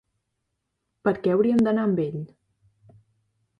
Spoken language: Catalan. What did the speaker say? Per què haurien d'anar amb ell?